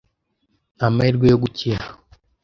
Nta mahirwe yo gukira.